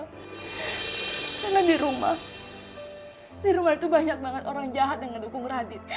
karena di rumah di rumah itu banyak banget orang jahat yang mendukung radit